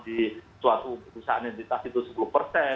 di suatu perusahaan yang dikasih itu